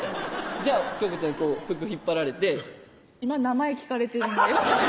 じゃあ恭子ちゃんにこう服引っ張られて「今名前聞かれてるんだよ」